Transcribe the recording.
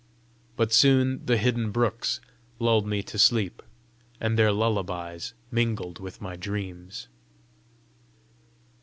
But soon the hidden brooks lulled me to sleep, and their lullabies mingled with my dreams.